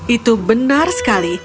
itu benar sekali